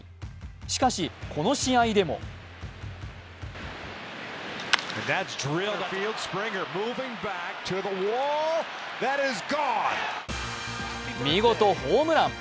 しかし、この試合でも見事、ホームラン。